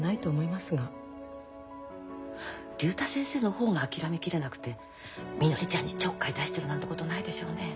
竜太先生の方が諦め切れなくてみのりちゃんにちょっかい出してるなんてことないでしょうね？